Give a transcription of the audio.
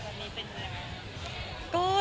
อันนี้เป็นอย่างไรไหม